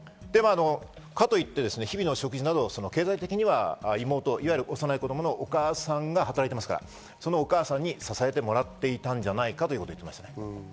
かといって日々の食事など経済的には幼い子供のお母さんが働いていますから、そのお母さんに支えてもらっていたんじゃないかということです。